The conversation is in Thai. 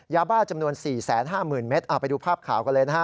ยาบ้าจำนวน๔๕๐๐๐เมตรเอาไปดูภาพข่าวกันเลยนะฮะ